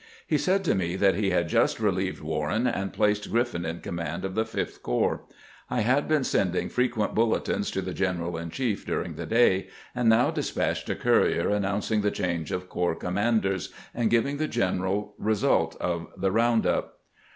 He said to me that he had just relieved Warren, and placed Griffin in command of the Fifth Corps. I had been sending frequent bulletins to the general in chief during the day, and now despatched a courier announc ing the change of corps commanders, and giving the general result of the round up.